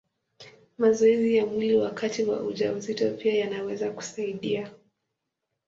Mazoezi ya mwili wakati wa ujauzito pia yanaweza kusaidia.